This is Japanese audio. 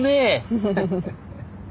フフフフフッ。